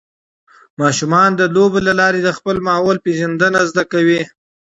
ماشومان د لوبو له لارې د خپل ماحول پېژندنه زده کوي.